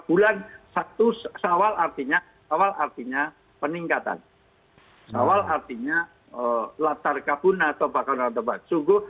bulan satu sawal artinya awal artinya peningkatan sawal artinya latar kabun atau bahkan latarbat sungguh